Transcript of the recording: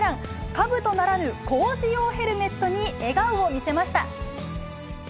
かぶとならぬ工事用ヘルメットに笑顔を見せました。